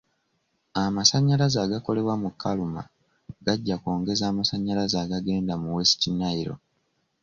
Amasanyalaze agakolebwa mu Karuma gajja kwongeza amasanyalaze agagenda mu West Nile.